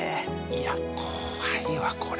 いや怖いわこれ。